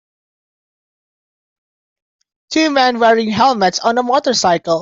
Two men wearing helmets on a motorcycle.